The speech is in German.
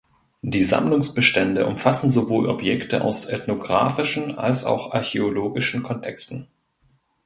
Die Sammlungsbestände umfassen sowohl Objekte aus ethnographischen als auch aus archäologischen Kontexten.